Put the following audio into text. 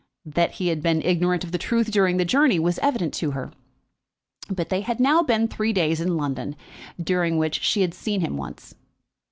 That he had been ignorant of the truth during the journey was evident to her. But they had now been three days in London, during which she had seen him once.